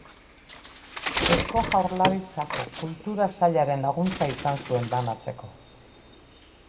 Eusko Jaurlaritzako Kultura Sailaren laguntza izan zuen banatzeko.